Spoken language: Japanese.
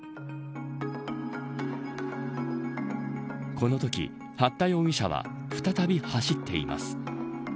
このとき、八田容疑者は再び走っています。